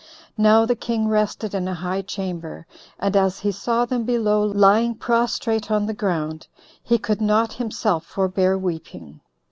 Now the king rested in a high chamber, and as he saw them below lying prostrate on the ground, he could not himself forbear weeping.